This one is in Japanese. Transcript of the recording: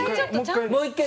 もう１回。